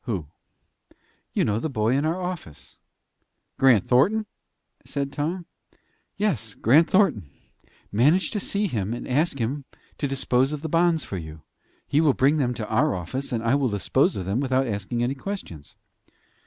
"Who?" "You know the boy in our office." "Grant Thornton?" said Tom. "Yes, Grant Thornton. Manage to see him, and ask him to dispose of the bonds for you. He will bring them to our office, and I will dispose of them without asking any questions."